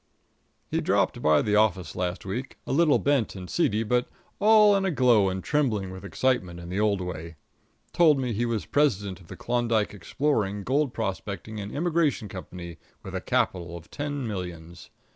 He dropped by the office last week, a little bent and seedy, but all in a glow and trembling with excitement in the old way. Told me he was President of the Klondike Exploring, Gold Prospecting and Immigration Company, with a capital of ten millions.